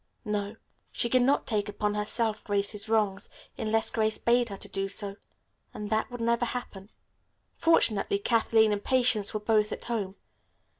No, she could not take upon herself Grace's wrongs, unless Grace bade her do so, and that would never happen. Fortunately Kathleen and Patience were both at home.